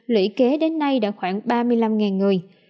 lũy kế đến nay đã khoảng ba mươi năm người